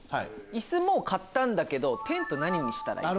「椅子もう買ったんだけどテント何にしたらいい？」